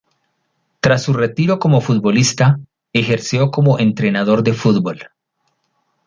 Tras su retiro como futbolista, ejerció como entrenador de fútbol.